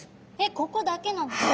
ここだけなんですか？